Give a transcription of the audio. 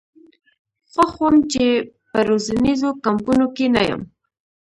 خوښ وم چې په روزنیزو کمپونو کې نه یم.